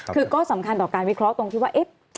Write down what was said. คือก็สำคัญต่อการวิเคราะห์ตรงที่ว่า